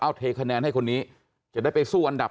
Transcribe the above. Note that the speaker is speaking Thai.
เอาเทคะแนนให้คนนี้จะได้ไปสู้อันดับ